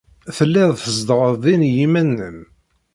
Tellid tzedɣed din i yiman-nnem.